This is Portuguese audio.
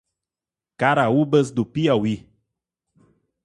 Caraúbas do Piauí